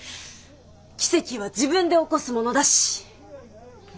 奇跡は自分で起こすものだし！